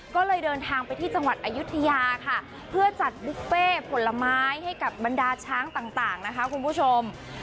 ก็เลยเดินทางไปที่จังหวัดอายุทยาค่ะเพื่อจัดบุฟเฟ่ผลไม้ให้กับบรรดาช้างต่างนะคะคุณผู้ชม